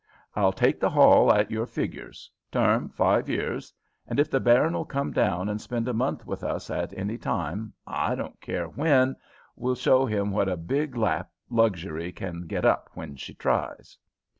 I'll take the hall at your figures; term, five years; and if the baron'll come down and spend a month with us at any time, I don't care when, we'll show him what a big lap Luxury can get up when she tries."